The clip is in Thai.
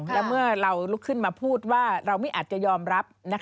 แล้วเมื่อเราลุกขึ้นมาพูดว่าเราไม่อาจจะยอมรับ